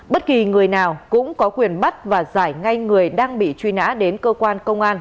bất kỳ người nào cũng có quyền bắt và giải ngay người đang bị truy nã đến cơ quan công an